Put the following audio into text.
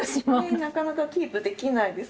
なかなかキープできないですね。